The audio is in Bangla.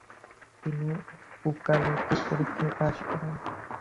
তিনি উকালতির পরীক্ষায় পাশ করেন।